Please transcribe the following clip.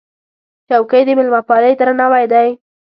چوکۍ د مېلمهپالۍ درناوی دی.